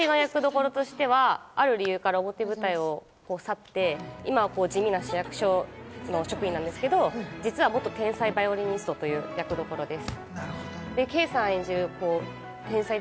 私の役どころとしてはある理由から表舞台を去って、今は地味な市役所の職員なんですけど、実は元天才ヴァイオリニストという役どころです。